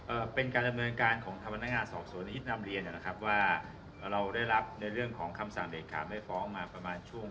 เอ่อเป็นการดำเนินการของทำนักงานสอบส่วนในอิสนามเรียนนะครับ